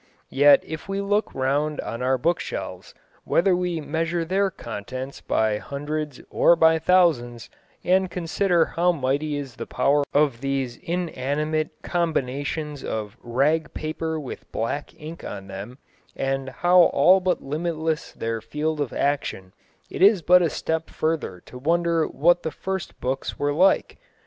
Yet if we look round on our bookshelves, whether we measure their contents by hundreds or by thousands, and consider how mighty is the power of these inanimate combinations of "rag paper with black ink on them," and how all but limitless their field of action, it is but a step further to wonder what the first books were like.